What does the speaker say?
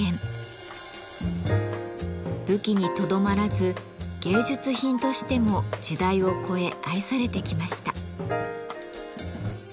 武器にとどまらず芸術品としても時代を越え愛されてきました。